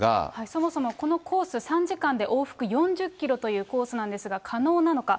そもそもこのコース３時間で往復４０キロというコースなんですが、可能なのか。